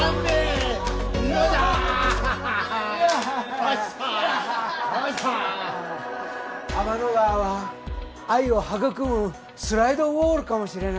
はぁ天の川は愛を育むスライドウォールかもしれないね。